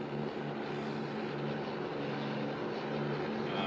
ああ。